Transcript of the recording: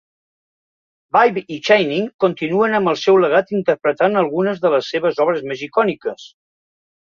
Bibbe i Channing continuen amb el seu legat interpretant algunes de les seves obres més icòniques.